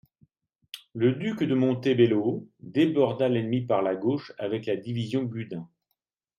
Le duc de Montebello déborda l'ennemi par la gauche avec la division Gudin.